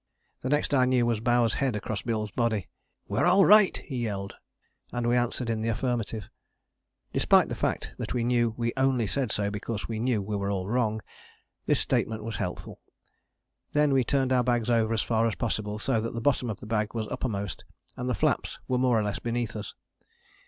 The next I knew was Bowers' head across Bill's body. "We're all right," he yelled, and we answered in the affirmative. Despite the fact that we knew we only said so because we knew we were all wrong, this statement was helpful. Then we turned our bags over as far as possible, so that the bottom of the bag was uppermost and the flaps were more or less beneath us.